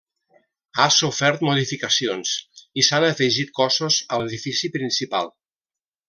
Ha sofert modificacions i s'han afegit cossos a l’edifici principal.